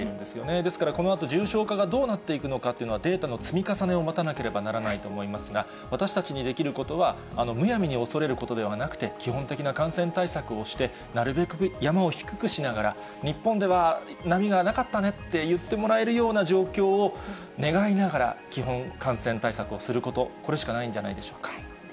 ですからこのあと、重症化がどうなっていくのかというのは、データの積み重ねを待たなければならないと思いますが、私たちにできることは、むやみに恐れることではなくて、基本的な感染対策をして、なるべく山を低くしながら、日本では波がなかったねって言ってもらえるような状況を願いながら、基本感染対策をすること、これしかないんじゃないでしょうか。